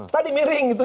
tadi miring gitu